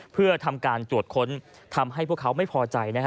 เพื่อทำการตรวจค้นทำให้พวกเขาไม่พอใจ